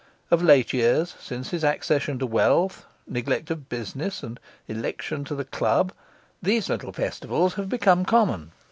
Of late years, since his accession to wealth, neglect of business, and election to the club, these little festivals have become common.